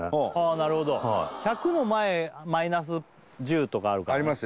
なるほど１００の前マイナス１０とかあるからありますよ